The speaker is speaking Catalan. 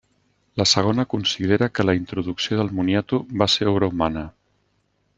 La segona considera que la introducció del moniato va ser obra humana.